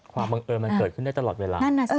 บังเอิญมันเกิดขึ้นได้ตลอดเวลา